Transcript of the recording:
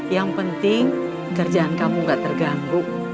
yang penting kerjaan kamu gak terganggu